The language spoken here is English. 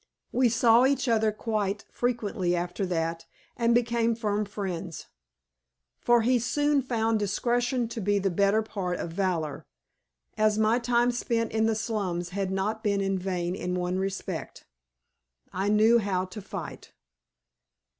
We saw each other quite frequently after that and became firm friends, for he soon found discretion to be the better part of valor, as my time spent in the slums had not been in vain in one respect, I knew how to fight.